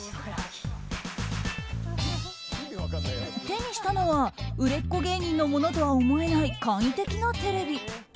手にしたのは売れっ子芸人のものとは思えない簡易的なテレビ。